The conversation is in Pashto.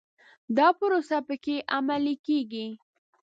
دا پروسه په کې عملي کېږي.